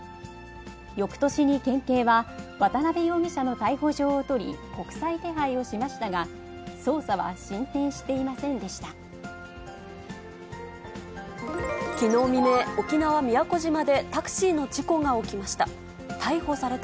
よくとしに県警は渡辺容疑者の逮捕状を取り、国際手配をしましたが、捜査は進展していませんでした。